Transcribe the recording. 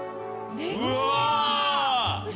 うわ！